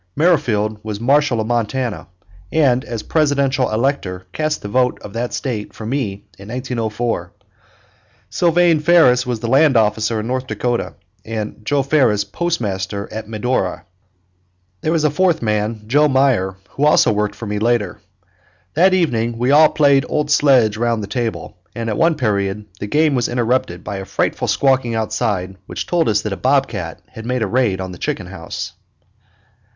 Merrifield was Marshal of Montana, and as Presidential elector cast the vote of that State for me in 1904; Sylvane Ferris was Land Officer in North Dakota, and Joe Ferris Postmaster at Medora. There was a fourth man, George Meyer, who also worked for me later. That evening we all played old sledge round the table, and at one period the game was interrupted by a frightful squawking outside which told us that a bobcat had made a raid on the chicken house.